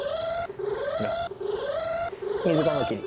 ほらミズカマキリ。